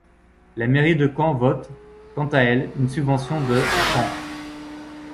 La mairie de Caen vote, quant à elle, une subvention de francs.